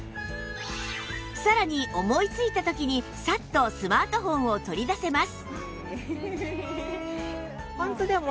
さらに思いついた時にサッとスマートフォンを取り出せます